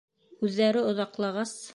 Үҙҙәре оҙаҡлағас...